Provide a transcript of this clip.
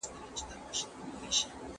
¬ تشه لاسه دښمن مي ته ئې.